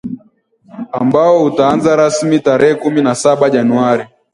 ambao utaanza rasmi tarehe kumi na saba januari